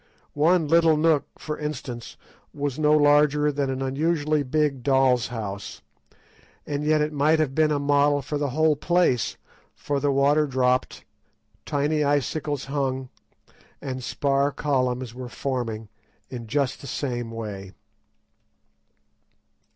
One little nook, for instance, was no larger than an unusually big doll's house, and yet it might have been a model for the whole place, for the water dropped, tiny icicles hung, and spar columns were forming in just the same way.